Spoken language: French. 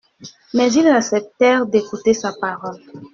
Mais ils acceptèrent d'écouter sa parole.